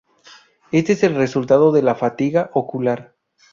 Este es el resultado de la 'fatiga ocular'.